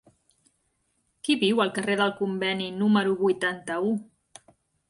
Qui viu al carrer del Conveni número vuitanta-u?